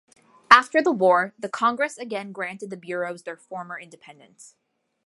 After the war, the Congress again granted the bureaus their former independence.